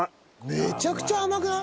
めちゃくちゃ甘くない？